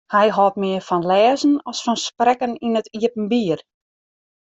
Hy hâldt mear fan lêzen as fan sprekken yn it iepenbier.